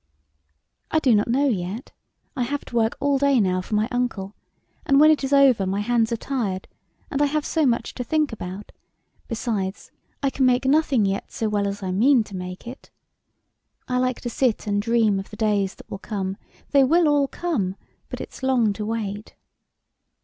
"I do not know yet. I have to work all day now for my uncle, and when it is over my hands are tired, and I have so much to think about ; be sides, I can make nothing yet so well as I mean to make it. I like to sit and dream of the days that will come ; they will all come, but it's long to wait."